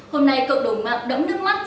hôm nay cộng đồng mạng đẫm nước mắt